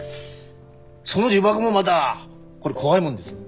その呪縛もまたこれ怖いもんです。